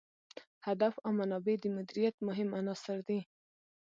هدف او منابع د مدیریت مهم عناصر دي.